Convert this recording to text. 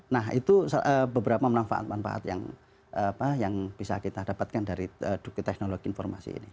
nah itu beberapa manfaat manfaat yang bisa kita dapatkan dari teknologi informasi ini